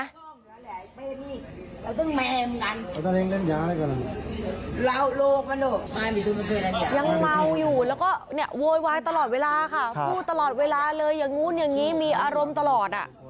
ยังเมาอยู่แล้วก็เนี่ยโวยวายตลอดเวลาค่ะพูดตลอดเวลาเลยอย่างนู้นอย่างนี้มีอารมณ์ตลอดอ่ะ